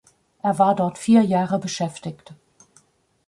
Er war dort vier Jahre beschäftigt.